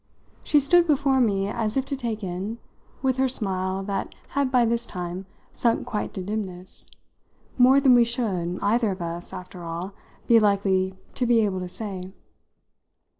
She stood before me as if to take in with her smile that had by this time sunk quite to dimness more than we should, either of us, after all, be likely to be able to say.